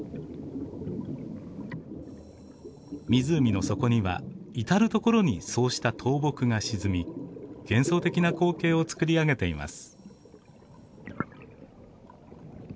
湖の底には至る所にそうした倒木が沈み幻想的な光景を作り上げています。